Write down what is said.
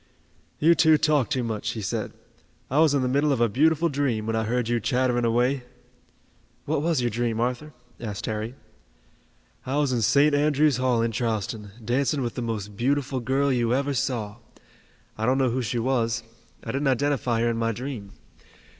"You two talk too much," he said. "I was in the middle of a beautiful dream, when I heard you chattering away." "What was your dream, Arthur?" asked Harry. "I was in St. Andrew's Hall in Charleston, dancing with the most beautiful girl you ever saw. I don't know who she was, I didn't identify her in my dream.